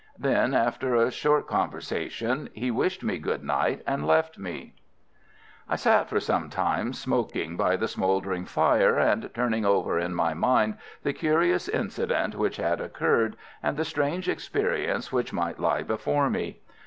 Then, after a short conversation, he wished me good night and left me. I sat for some little time smoking by the smouldering fire, and turning over in my mind the curious incident which had occurred, and the strange experience which might lie before me.